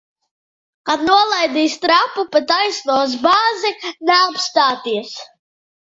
Kad nolaidīs trapu, pa taisno uz bāzi. Neapstāties!